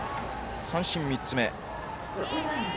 三振、３つ目。